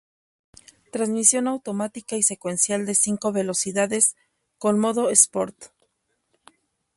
Transmisión automática y secuencial de cinco velocidades, con modo "Sport".